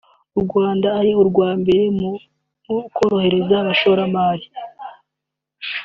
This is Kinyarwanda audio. u Rwanda ari urwa mbere mu korohereza abashoramari